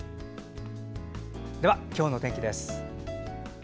今日の天気です。